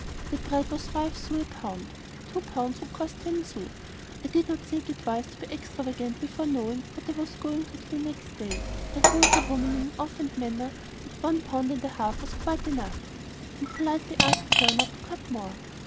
The bread was five sous a pound; two pounds would cost ten sous. I did not think it wise to be extravagant before knowing what I was going to do the next day. I told the woman in an offhand manner that one pound and a half was quite enough and politely asked her not to cut more.